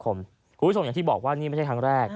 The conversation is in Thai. คุณผู้วิศวิสมัยอย่างที่บอกว่าอันนี้ไม่ใช่ครั้งแรก